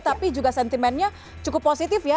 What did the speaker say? tapi juga sentimennya cukup positif ya